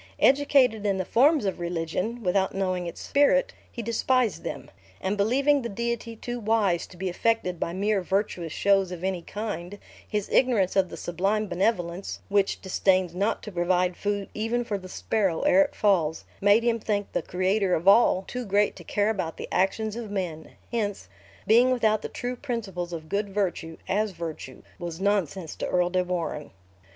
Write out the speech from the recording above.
Educated in the forms of religion, without knowing its spirit, he despised them; and believing the Deity too wise to be affected by mere virtuous shows of any kind, his ignorance of the sublime benevolence, which disdains not to provide food even for the "sparrow ere it falls," made him think the Creator of all too great to care about the actions of men; hence, being without the true principles of good virtue, as virtue, was nonsense to Earl de Warenne.